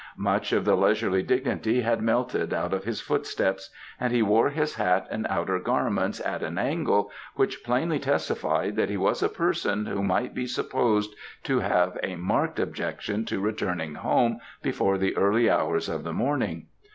Much of the leisurely dignity had melted out of his footsteps, and he wore his hat and outer garments at an angle which plainly testified that he was a person who might be supposed to have a marked objection to returning home before the early hours of the morning.